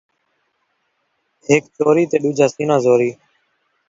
جین٘دا مال کھاو اون٘دا کم وی کرو